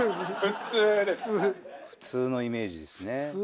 普通のイメージですね。